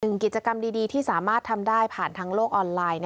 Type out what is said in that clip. กิจกรรมดีที่สามารถทำได้ผ่านทางโลกออนไลน์